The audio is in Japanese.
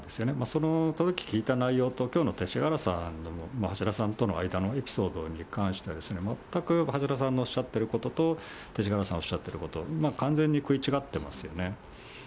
その当時聞いた内容と、きょうの勅使河原さんの、橋田さんとの間のエピソードに関して、全く橋田さんのおっしゃっていることと、勅使河原さんがおっしゃっていること、完全に食い違ってますよね。